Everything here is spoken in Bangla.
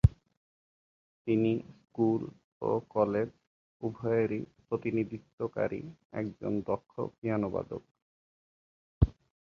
তিনি স্কুল ও কলেজ উভয়েরই প্রতিনিধিত্বকারী একজন দক্ষ পিয়ানোবাদক।